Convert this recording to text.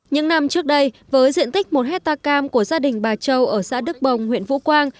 những năm trước đây với diện tích một hectare cam của gia đình bà châu ở xã đức bồng huyện vũ quang